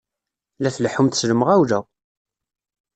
La tleḥḥumt s lemɣawla!